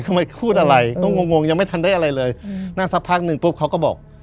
พูดอะไรก็งงงยังไม่ทันได้อะไรเลยนั่งสักพักหนึ่งปุ๊บเขาก็บอก